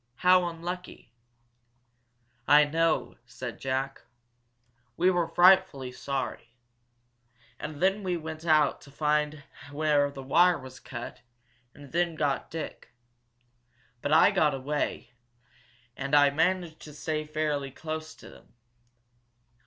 How unlucky!" "I know," said Jack. "We were frightfully sorry. And then we went out to find where the wire was cut, and then got Dick. But I got away, and I managed to stay fairly close to them.